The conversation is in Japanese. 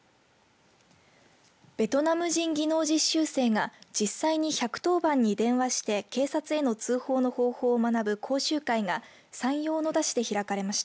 ベトナム人技能実習生が実際に１１０番に電話して警察への通報の方法を学ぶ講習会が山陽小野田市で開かれました。